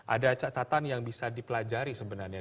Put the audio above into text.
ada catatan yang bisa dipelajari sebenarnya